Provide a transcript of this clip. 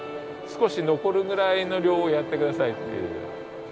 少し残るぐらいの量をやってくださいという。